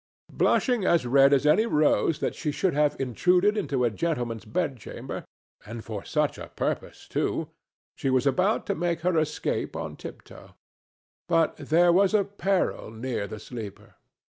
Blushing as red as any rose that she should have intruded into a gentleman's bedchamber, and for such a purpose too, she was about to make her escape on tiptoe. But there was peril near the sleeper.